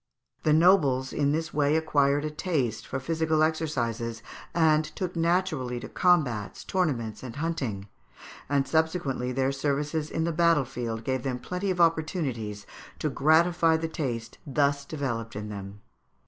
The nobles in this way acquired a taste for physical exercises, and took naturally to combats, tournaments, and hunting, and subsequently their services in the battle field gave them plenty of opportunities to gratify the taste thus developed in them.